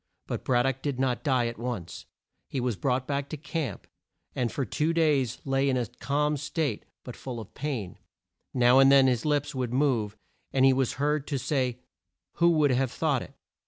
But Brad dock did not die at once. He was brought back to camp, and for two days lay in a calm state but full of pain. Now and then his lips would move and he was heard to say, "Who would have thought it!